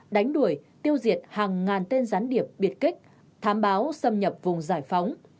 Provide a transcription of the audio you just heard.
đánh đuổi tiêu diệt hàng ngàn tên gián điệp biệt kích thám báo xâm nhập vùng giải phóng